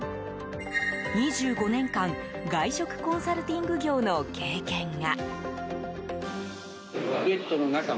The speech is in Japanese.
２５年間外食コンサルティング業の経験が。